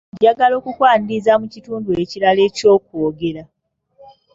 Njagala okukwaniriza mu kitundu ekirala eky’okwogera.